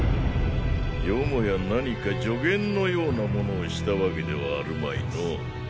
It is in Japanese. よもや何か助言のようなものをしたわけではあるまいのォ？